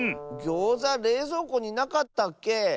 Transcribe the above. ギョーザれいぞうこになかったっけ？